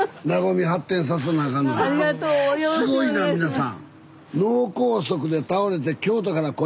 すごいな皆さん！